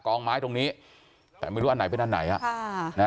กองไม้ตรงนี้แต่ไม่รู้อันไหนเป็นอันไหน